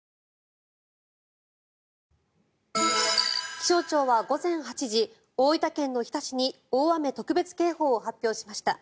気象庁は午前８時大分県の日田市に大雨特別警報を発表しました。